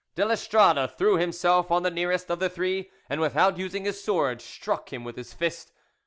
De l'Estrade threw himself on the nearest of the three, and, without using his sword, struck him with his fist.